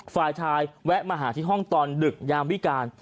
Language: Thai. ฝ่ายชายแวะมาหาที่ห้องตอนดึกยามวิการ